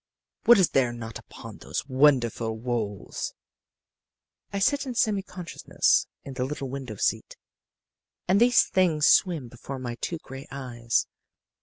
"What is there not upon those wonderful walls! "I sit in semi consciousness in the little window seat and these things swim before my two gray eyes.